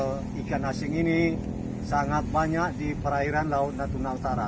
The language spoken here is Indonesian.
karena ikan asing ini sangat banyak di perairan laut natuna utara